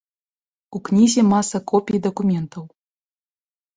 У кнізе маса копій дакументаў.